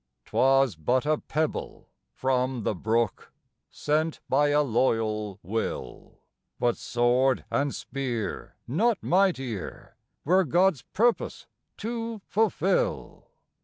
'Twas but a pebble from the brook, sent by a loyal will; But sword and spear not mightier were God's purpose to fulfil.